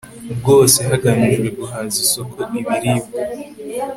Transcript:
bwose hagamijwe guhaza isoko ibiribwa